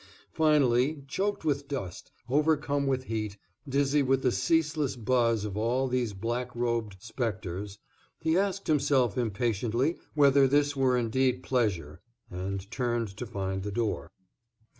Finally, choked with dust, overcome with heat, dizzy with the ceaseless buzz of all these black robed specters, he asked himself impatiently whether this were indeed pleasure, and turned to find the door.